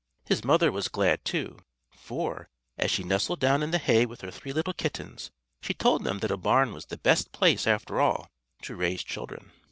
His mother was glad, too; for, as she nestled down in the hay with her three little kittens, she told them that a barn was the best place after all to raise children.